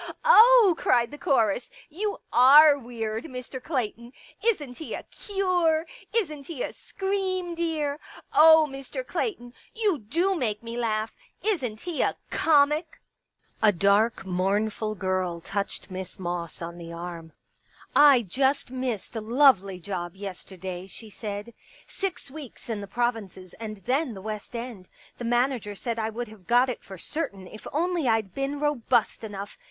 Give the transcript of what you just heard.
" Oh !" cried the chorus. " You are weird, Mr. Clayton. Isn't he a cure? Isn't he a scream^ dear ? Oh, Mr. Clayton, you do make me laugh. Isn't he a comic ?" 164 Pictures A dark, mournful girl touched Miss Moss on the arm. " I just missed a lovely job yesterday," she said. " Six weeks in the provinces and then the West End. The manager said I would have got it for certain if only I'd been robust enough.